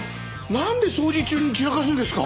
なんで掃除中に散らかすんですか！